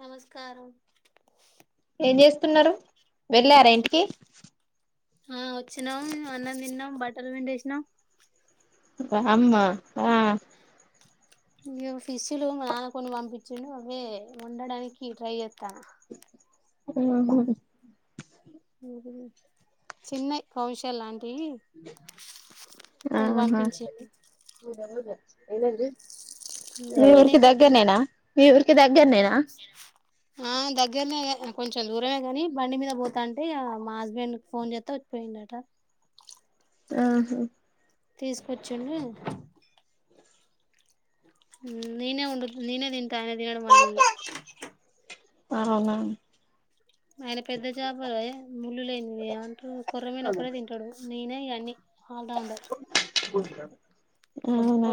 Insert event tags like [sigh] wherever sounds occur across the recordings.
నమస్కారం ఏం చేస్తున్నారు వెళ్ళారా ఇంటికి ఆ వచ్చినాం అన్నం తిన్నాం బట్టలు పిండేసినం వమ్మ ఆ ఇ ఫిష్లు మా నాన్న కొని పంపించండు అవే వండడానికి ట్రై చేస్తున్న ఉమ్మ్ చిన్నాయి కౌంశల్ లాంటి కొన్ని ఆహా పంపించింది మీ ఊరికి మీరేం కర్రీ దగ్గరనేేనా మీ ఊరికి దగ్గర నేనా ఆ దగ్గరనే కానీ కొంచెం దూరమే కానీ బండి మీద పోతాంటే మా హస్బెండ్ ఫోన్ చేస్తా వచ్చి పోయిండట ఆహా తీసుకొచ్చిండు నేనే ఓడు నేనే తింటా ఆయనా తినడు మళ్ళీ అవునా ఆయన పెద్ద చాపలు ముళ్ళు లేంది ఏమంటారు కుర్రమైను ఒకటే తింటాడు నేనే ఇవన్నీ అవునా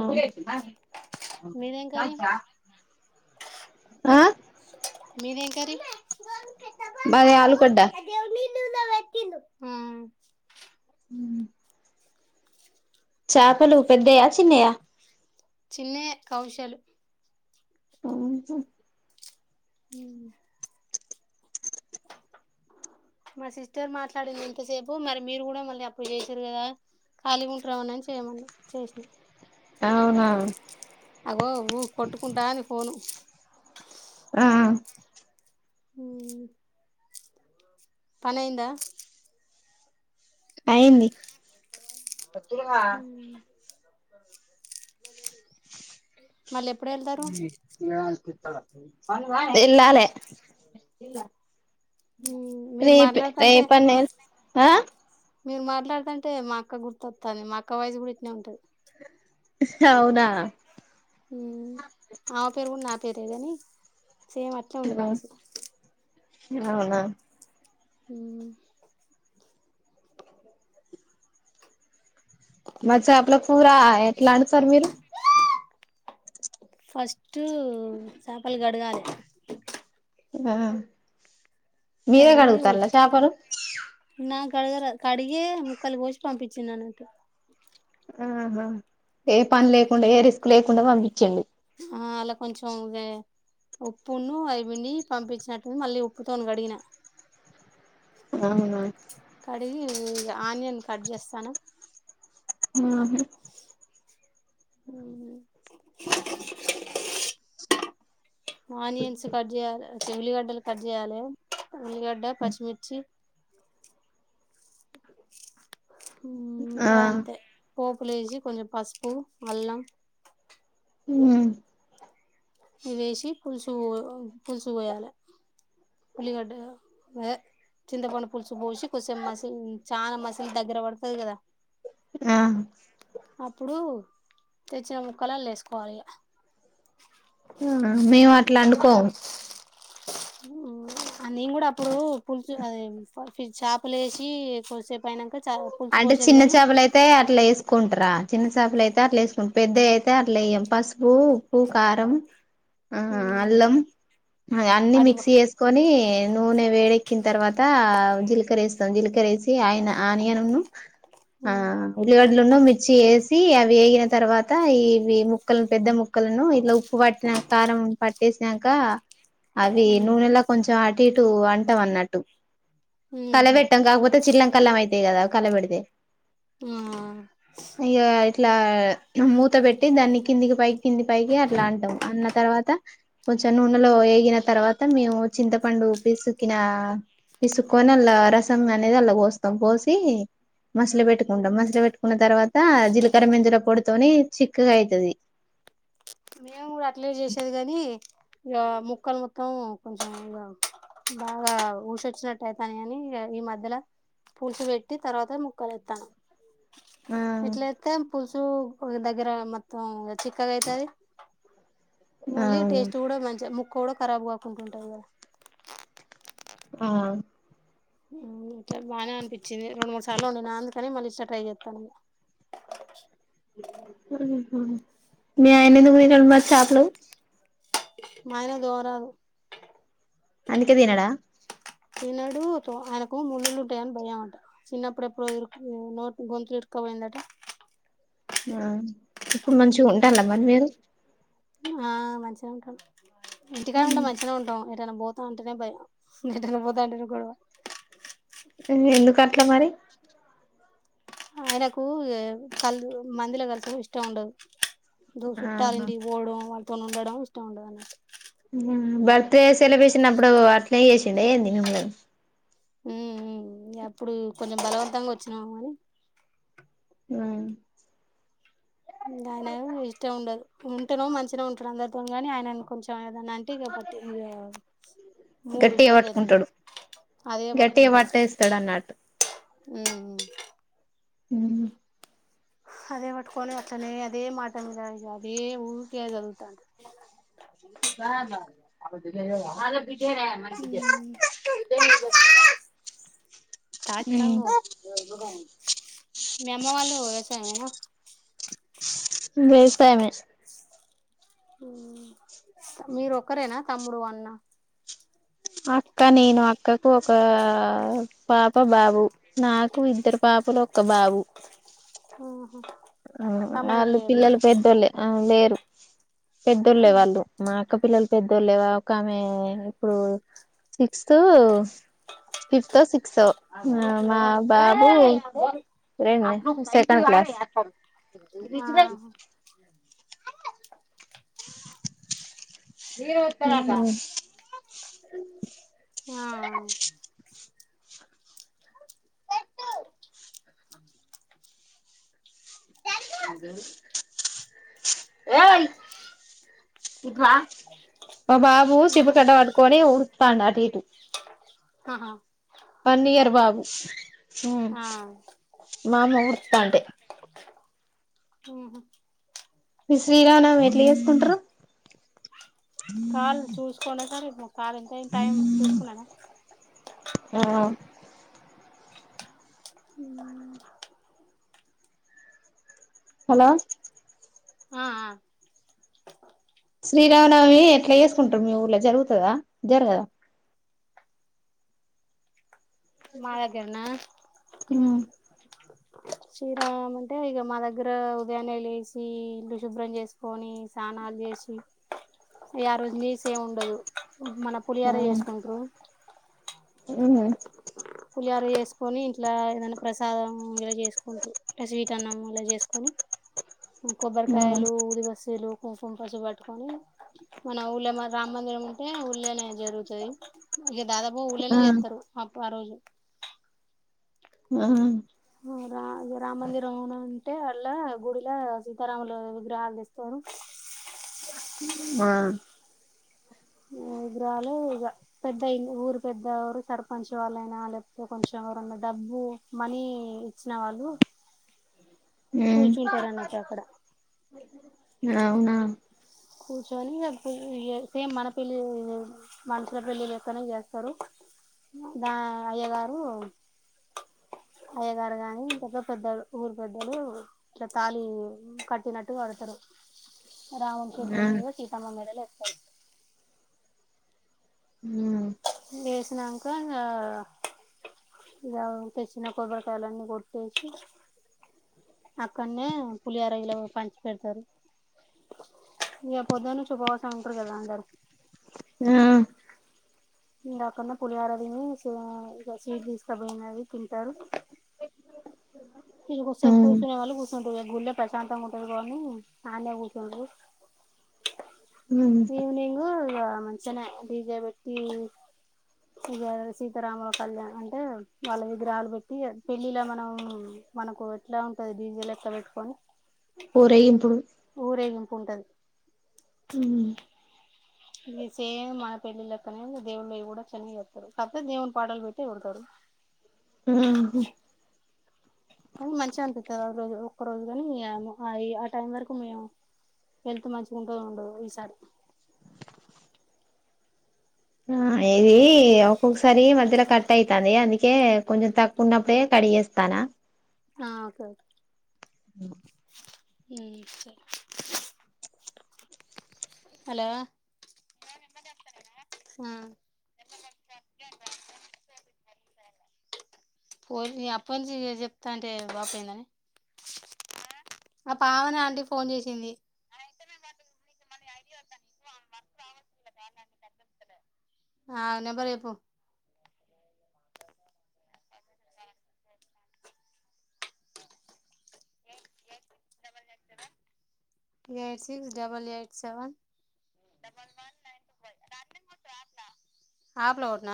మీదేం కర్రీ ఆ మీదేం కర్రీ మాది ఆళ్లగడ్డ ఆ ఉమ్మ్ చాపలు పెద్దయా చిన్నయా చిన్నయ్యే కౌశాలు ఆహా మ్మ్ మా సిస్టర్ మాట్లాడింది ఇంతసేపు మరి మీరు కూడా మళ్ళీ అప్పుడు చేసారు కదా ఖాళీగా ఉంటున్నామని చేయమన్న చేసిన అవునా అగ్గో అగ్గో కొట్టుకుంటా ఉంది ఫోను ఆ పనైందా అయింది మళ్ళీ ఎప్పుడు వెళ్తారు ఇ యాద్ ఎల్లాలే మీరు రేప్ మాట్లాడుతంటే రేపన్ ఎ మీరు మాట్లాడతంటే మా అక్క గుర్తొస్తాంది, మా అక్క వాయిసు కూడా ఇట్నే ఉంటది. హ్ అవునా ఆమె పేరు కూడా నా సేమ్ అట్లే ఉంది వాయిసు అవునా మ్మ్ మా చాపల కూర ఎట్లా అడు తారు మీరు ఫస్ట్ చేపల్ కడగాలే మీరే కడిగి కడుగుతాళ్ల చాపలు కడగరా కడిగే ముక్కలు కోసి పంపించింది అన్నట్టుగా ఆహా ఏ పని లేకుండా, ఏ రిస్క్ లేకుండా పంపించిండు. ఆ అలా కొంచం వే ఉప్పును అవి పిండి పంపించినట్టు మళ్ళీ ఉప్పుతోన్ కడిగిన అవును అయి ఆనియన్ కట్ జేస్సాను ఆహ అ ఆనియన్స్ కట్ చేయాలె చీ ఉల్లిగడ్డలు కట్ చేయాలె ఉల్లిగడ్డ పచ్చిమిర్చి హ్మ్ ఆ ఇంకా అంతే పోపులే వేసి కొంచెం పసుపు అల్లం హ్మ్ ఇవి వేసి పులుసు పులుసు పోయాలె ఉల్లిగడ్డ అదే చింతపండు పులుసు పోసి కొసెం మసిల్ చానా మసిల్ దగ్గర పడుతది కదా ఆహ్ అప్పుడు తెచ్చిన ముక్కలల్లేసుకోవాలి ఇగ మ్మ్ హ్ మేము అట్ల అండుకోం [unintelligible] ఆ నేను కూడా అప్పుడు పుల్చు అది ఫి చేపలే వేసి కొద్దిసేపు అయినంక చ పులుసు అంటే పోసేది చిన్న కాని చేపలు అయితే అట్ల వేసుకుంట్రా చిన్నసేపలు అయితే అట్లా వేసుకుం పెద్దవి అయితే అట్ల వేయం పసుపు ఉప్పు కారం ఆ అల్లం అన్నీ అడి మిక్సీ వేసుకొని ఎ నూనె వేడెక్కిన తర్వాత జీలకర్ర వేస్తాం జీలకర్రేసి అయిన ఆనియనును ఆ ఉల్లిగడ్లును మిర్చి వే సి అవి వేగిన తర్వాత ఇవి ముక్కలను పెద్ద ముక్కలను ఇట్లా ఉప్పు పట్టిన కారం ప ట్టేసినాంక అవి నూనెలా కొంచెం అటు ఇటు అంటవ్ అన్నట్టు కల వెట్టం కాకపోతే చిల్లం కళ్ళం అయితయి కదా కలబెడితే ఆ ఇగ ఇట్లా మూత పెట్టి దాన్ని కిందికి పైకి కింది, పైకి అట్లా అంటాం అన్న తర్వాత. కొంచ నూనెలో వేగిన తర్వాత మేము చింతపండు బిసిక్కిన పిసుక్కోని అల్లా రస అనేది అల్లా పోస్తాం పోసి మసలు పెట్టుకుంటాం. మసలు పెట్టుకున్న తర్వాత జీలకర్ర మెంజర పొడితోని చిక్కగా అయితది. మేము కూడా అట్లే చేసేది కాని ఇగ ముక్కలు మొత్తం కొంచం ఇంగ బాగా ఊషొచ్చినట్టు అయితనే అని ఈ మధ్యల పులుసు పెట్టి తర్వాత ముక్కలు ఎత్తాను ఆ ఇట్లయితే పులుసు దగ్గర మొత్తం చిక్కగా అయితిది ఆ మళ్ళీ టేస్ట్ కూడా మంచిగా ముక్క కూడా ఖరాబ్ కాకుంటుంటాది కదా ఆ మ్మ్ ఇట్లా బాగానే అనిపించింది రెండు మూడు సార్లు వండిన అందుకని మళ్ళీ ఇట్లా ట్రై చేత్తాండ స మీ ఆయన ఎందుకు తినడు మరి చేపలు మా ఆయన దోరాదు అందుకే తినడా తినడు అట్లా ఆయనకు ముళ్ళలు ఉంటాయని భయం అంట చిన్నప్పుడు ఎప్పుడో నోట్ గొంతు ఇర్కు పోయిందట మ్మ్ ఎప్పుడు నుంచొ ఉంటాన్ల మరి నిను ఆ మంచిగా ఉంటాం ఇంటికానే ఉంటే మంచిగానే ఉంటాం [unintelligible] బోత ఉంటానే భయం మ్మ్ ఎందుకు అట్లా మరి ఆయనకు ఎ కల్లు మందుల వరకు ఇష్టం ఉండదు ఇప్పుడు సుట్టాల ఆహా ఇంటికి పోవడం వాళ్ళతోను ఉండడం ఇష్టం ఉండదన్నట్టు బర్త్డే సెలబ్రేషన్ అప్పుడు అట్లే చేసిండ ఏంది మిమ్ములను మ్మ్ హ్మ్ ఇగ అప్పుడు కొంచెం బలవంతంగా వచ్చినారు మ్మ్ ఇంగ ఆయన ఇష్టం ఉండదు ఉంటనేమో మంచినే ఉంటడు అందరితోని గని ఆయన కొంచెం యాదన్న అంటే ఇగ పట్టి ఇగ మూడు గట్టిగా చేంజ్ అవుతాది పట్టుకుంటాడు గట్టిగా పట్టేస్తడు అన్నట్టు మ్మ్ ఎవరు అదే పట్టుకొని అట్లనే అదే మాట మీద ఇగ అదే ఊకె [unintelligible] తాంటడు తాత్ తావో మ్మ్ మీ అమ్మ వాళ్ళు వ్యవసాయమేనా వ్యవసాయమే మ్మ్ మీరు ఒకరేనా తమ్ముడు అన్న అక్క నేను అక్కకు ఒక పాప బాబు నాకు ఇద్దరు పా మధ్య లో ఒక బాబు ఆ వాళ్ళ పిల్లలు పెద్దోళ్లే ఆ లేరు పెద్దోళ్లే వాళ్ళు మా అక్క పిల్లల్ పెద్దోళ్లే వో ఒకామె ఇప్పుడు సిక్స్త్ ఫిఫ్త్ తో సిక్స్త్ తొ ఆ మా బాబు రెండు సెకండ్ క్లాస్ వినిపించాల ఆహా అవున ఆ ఆ ఏయ్ మా బాబు ఆ సిపురు కట్ట పట్టుకొని ఉడుత్తాండు అటు ఇటు ఆహా వన్ ఇయర్ అవునా బాబు ఆ మా అమ్మ ఉడుత్తంటె ఆహ మీరు శ్రీరామనవమి ఎట్లా చేసుకుంట్రు కాల్ చూసుకునే [unintelligible] కాల్ ఎంత అయిందో టైం చూసుకున్నాన ఆ హలో ఆఆ శ్రీరామనవమి ఎట్లా చేసుకుంటరు మీ ఊర్ల జరుగుతదా జరగదా మా దగ్గరనా ఉమ్ శ్రీరామమి అంటే ఇగ మా దగ్గర ఉదయాన్నే లేసి ఇల్లు శుభ్రం చేసుకొని స్నానాలు చేసి ఇగ ఆ రోజు నీస్ ఏం ఉండదు మన పులిహార చేసుకుంట్రూ ఉమ్ ఇగ అదే చేసుకొని ఇంట్ల ఏదన్న ప్రసాదం ఇలా చేసుకుంటు ఇగ స్వీట్ అన్నం ఇలా చేసుకొని కొబ్బరికాయలు ఊది బస్తీలు పసుం పసు పట్టుకొని మన ఊళ్ళ మో రామందిరం ఉంటే ఊళ్ళేనే జరుగుతది ఇగ దాదాపు ఊళ్ళనే చేత్తరు ఆప్ ఆ రోజు ఆ రా రామ మందిరం అంటే అళ్ళ గుడిలా సీతారాముల విగ్రహాలు తెస్తారు ఆ విగ్రాలు పెద్దయి ఊరు పెద్దరు సర్పంచ్ వాళ్ళయినా లేకపోతే కొంచెం ఎవరన్నా డబ్బు మనీ ఇచ్చిన వాళ్ళు కూర్చుంటారూ అన్నట్టు అక్కడ అవునా కూర్చొని సేమ్ మన పెళ్లి మనుషుల పెళ్లి లెక్కనే చేస్తారు దా అయ్య గారు అయ్యగారు గాని పెద్ద పెద్దలు ఊరు పెద్దలు ఇలా తాళి కట్టినట్టు కడతారు రాముని చతుల ఆ మీదగా సీతామ్మ మేడలో ఎస్తారు హ లేసినాంక ఇగ తెచ్చిన కోబరికాయాలన్ని కొట్టేసి అక్కనే పులిహోరా గిల పంచి పెడతారు ఇగ పొద్దనుంచి ఉపవాసం ఉంటారు కదా అందరు ఆ ఇందకనే పులిహోర తిని [unintelligible] ఇంకా స్వీట్ తీసుకపోయినది తింటరు ఇంకా కొద్ది సేపు జూన్ ఉమ్ వాళ్ళు కూసు ఇగ గుల్లే ప్రశాంతంగా ఉంటది కాద అని అన్నే కుసుంటా ఈవెనింగ్ మంచిగానే డీజీ పేట్టి సీతారాముల కళ్యాణ్ అంటే వాళ్ళ విగ్రహాలు పెట్టి పెళ్ళిలా మనం మనకు ఎట్లా ఉంటది డీజె లెక్క పెట్టుకొని ఊరేగింపుడు ఊరేగింపు ఉంటది ఉ ఇది సేమ్ మన పెళ్ళిళక్కనే దేవుళ్ళవి కూడా అట్లనే చేస్తారు కాకపోతే దేవుని పాటలు పెట్టీ ఎగురుతారు ఆ అనీ మంచిగా అనిపితది ఆ రోజు ఒక్క రోజు కాని ఆ టైం వరకు మేము హెల్త్ మంచిగా ఉంటందొ ఉండదొ ఈసారి ఆ ఇది ఒక్కొక్కసారి మధ్యలో కట్ అయితుంది అందుకే కొంచెం తక్కు ఉన్నప్పుడే కట్ కడిచేస్తాన ఆ ఓకే ఓకే అ ఉమ్ సరె హలా అ ఓర్ని అప్పంచి జెప్తాంటే బాపయిందని అ పావని ఆంటీ ఫోన్ జేశింది ఆ నంబరెప్పు eight six double eight seven యప్ల కొట్న